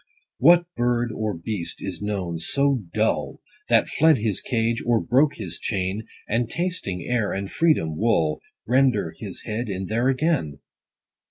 What bird, or beast is known so dull, That fled his cage, or broke his chain, 30 And, tasting air and freedom, wull Render his head in there again